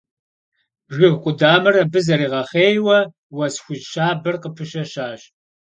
Жыг къудамэр абы зэригъэхъейуэ уэс хужь щабэр къыпыщэщащ.